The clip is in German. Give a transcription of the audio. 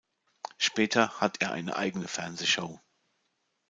Später hat er eine eigene Fernsehshow.